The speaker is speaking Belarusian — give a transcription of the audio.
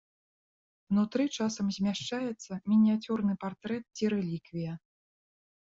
Унутры часам змяшчаецца мініяцюрны партрэт ці рэліквія.